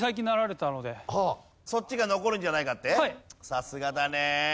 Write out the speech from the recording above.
さすがだね！